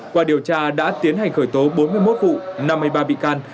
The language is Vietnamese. qua điều tra đã tiến hành khởi tố bốn mươi một vụ năm mươi ba bị can